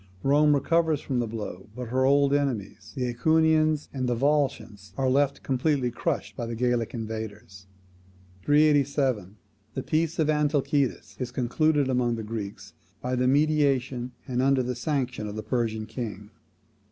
Rome recovers from the blow, but her old enemies, the AEquians and Volscians, are left completely crushed by the Gallic invaders. 387. The peace of Antalcidas is concluded among the Greeks by the mediation, and under the sanction, of the Persian king.